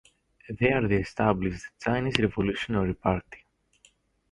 There they established the Chinese Revolutionary Party.